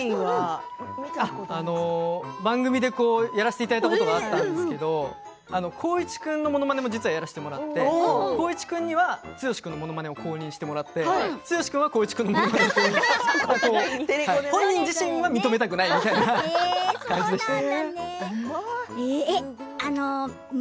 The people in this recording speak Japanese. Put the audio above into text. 番組でやらせていただいたことはあったんですけど光一君のものまねも実はやらせてもらっていて光一君には剛のものまねを公認してもらって剛君には、光一君のものまねを公認してもらって本人自身が認めたくないという感じでした。